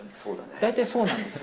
大体そうなんですよ。